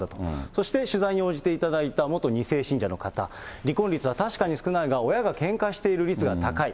そして取材に応じていただいた、元２世信者の方、離婚率は確かに少ないが、親がけんかしている率が高い。